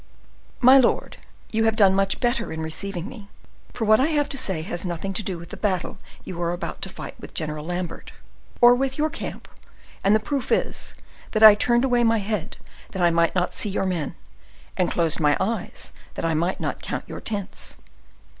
"My lord, you have done much better in receiving me, for what I have to say has nothing to do with the battle you are about to fight with General Lambert, or with your camp; and the proof is, that I turned away my head that I might not see your men, and closed my eyes that I might not count your tents.